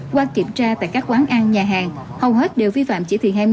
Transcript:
qua kiểm tra tại các quán ăn nhà hàng hầu hết đều vi phạm chỉ thị hai mươi